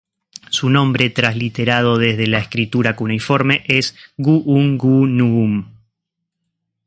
Su nombre, transliterado desde la escritura cuneiforme, es "Gu-un-gu-nu-um".